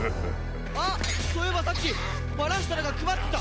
あっそういえばさっきバラシタラが配ってた！